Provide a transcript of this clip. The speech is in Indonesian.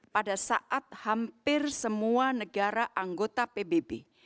pada saat hampir semua negara anggota pbb